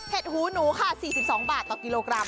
หูหนูค่ะ๔๒บาทต่อกิโลกรัม